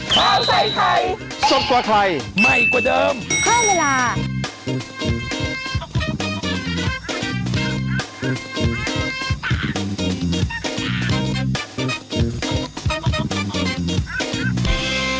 ข้าวไทยไทยสดกว่าไทยใหม่กว่าเดิมข้าวเวลา